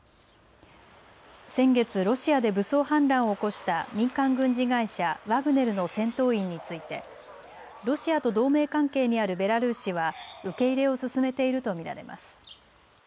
先月、ロシアで武装反乱を起こした民間軍事会社、ワグネルの戦闘員についてロシアと同盟関係にあるベラルーシは受け入れを進めていると見られます。